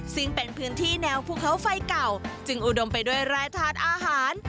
ซึ่งเป็นพื้นที่แนวภูเขาไฟเก่าจึงอุดมไปด้วยรายทานอาหาร